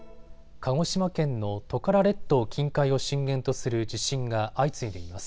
鹿児島県のトカラ列島近海を震源とする地震が相次いでいます。